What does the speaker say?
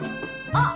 あっ！